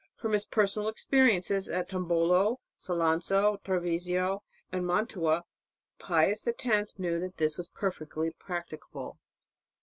From his personal experiences at Tombolo, Salzano, Treviso and Mantua, Pius X knew that this was perfectly practicable.